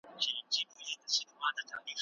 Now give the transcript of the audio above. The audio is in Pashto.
د اسلام رڼا تیاري له منځه وړي.